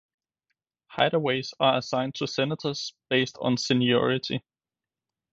Hideaways are assigned to senators based on seniority.